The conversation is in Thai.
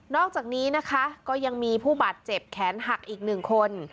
อกจากนี้นะคะก็ยังมีผู้บาดเจ็บแขนหักอีกหนึ่งคน